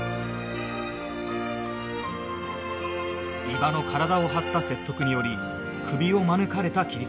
伊庭の体を張った説得によりクビを免れた桐沢